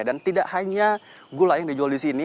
dan tidak hanya gulai yang dijual di sini